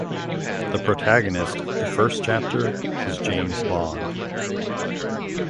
The protagonist of the first chapter is James Bond.